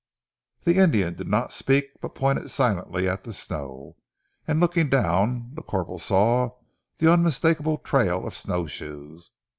The Indian did not speak, but pointed silently at the snow, and looking down the corporal saw the unmistakable trail of snowshoes.